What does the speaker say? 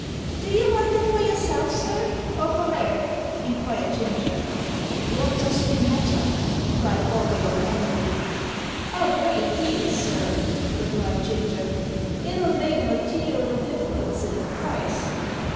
"Do you want it for yourself, sir, or for her?" inquired Ginger. "What does it matter?" cried Auriol angrily. "A great deal, sir," replied Ginger; "it'll make a mater'al difference in the price.